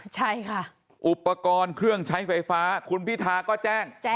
ใช่ค่ะอุปกรณ์เครื่องใช้ไฟฟ้าคุณพิธาก็แจ้ง